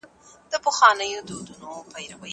کړه بادار یې د قفس دروازه خلاصه